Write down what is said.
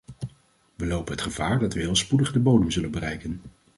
We lopen het gevaar dat we heel spoedig de bodem zullen bereiken.